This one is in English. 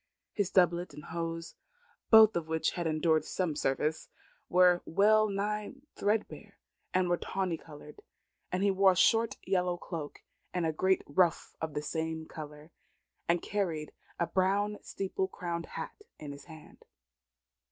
His doublet and hose, both of which had endured some service, and were well nigh threadbare, were tawny coloured; and he wore a short yellow cloak, a great ruff of the same colour, and carried a brown steeple crowned hat in his hand.